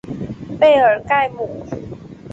贝尔盖姆。